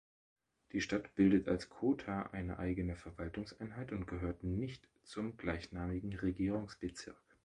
Die Stadt bildet als Kota eine eigene Verwaltungseinheit und gehört nicht zum gleichnamigen Regierungsbezirk.